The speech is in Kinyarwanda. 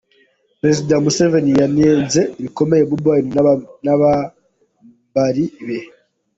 Perezida Museveni yanenze bikomeye Bobi Wine n'abambari be.